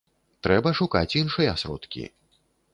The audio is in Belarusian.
Трэба шукаць іншыя сродкі.